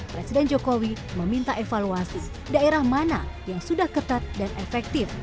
presiden jokowi meminta evaluasi daerah mana yang sudah ketat dan efektif